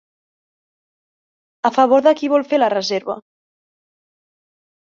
A favor de qui vol fer la reserva?